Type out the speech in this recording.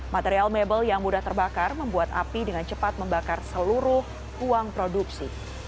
material mebel yang mudah terbakar membuat api dengan cepat membakar seluruh uang produksi